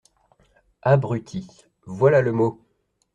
Abruti… voilà le mot !…